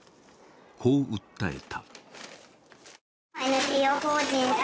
こう訴えた。